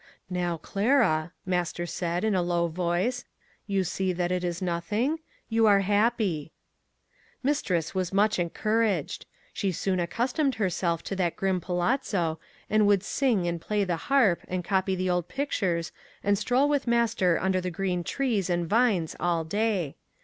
'Now, Clara,' master said, in a low voice, 'you see that it is nothing? You are happy.' Mistress was much encouraged. She soon accustomed herself to that grim palazzo, and would sing, and play the harp, and copy the old pictures, and stroll with master under the green trees and vines all day.